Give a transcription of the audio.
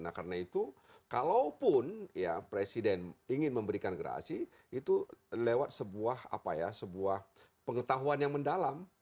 nah karena itu kalaupun ya presiden ingin memberikan gerasi itu lewat sebuah pengetahuan yang mendalam